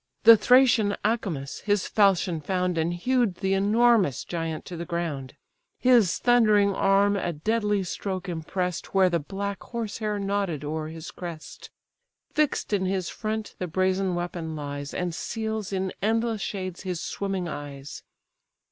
The Thracian Acamas his falchion found, And hew'd the enormous giant to the ground; His thundering arm a deadly stroke impress'd Where the black horse hair nodded o'er his crest; Fix'd in his front the brazen weapon lies, And seals in endless shades his swimming eyes.